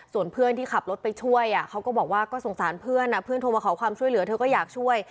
ส่วนเพื่อนที่ขับรถไปช่วยเขาก็บอกว่าก็สงสารเพื่อนเพื่อนโทรมาขอความช่วยเหลือเธอก็อยากช่วย